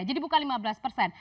jadi bukan lima belas persen